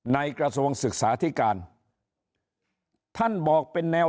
กระทรวงศึกษาธิการท่านบอกเป็นแนว